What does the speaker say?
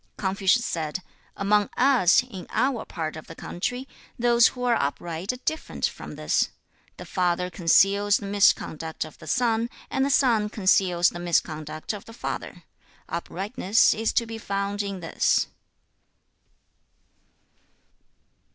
2. Confucius said, 'Among us, in our part of the country, those who are upright are different from this. The father conceals the misconduct of the son, and the son conceals the misconduct of the father. Uprightness is to be found in this.'